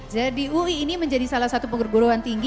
jadi ui ini menjadi salah satu pengguruan tinggi